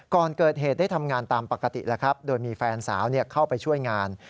ก่อนเกิดเหตุได้ทำงานตามปกติแล้วครับโดยมีแฟนสาวเข้าไปช่วยงาน